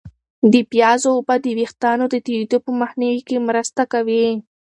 د پیازو اوبه د ویښتانو د توییدو په مخنیوي کې مرسته کوي.